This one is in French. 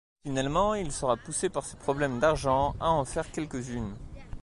Finalement, il sera poussé par ses problèmes d'argent à en faire quelques-unes.